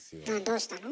どうしたの？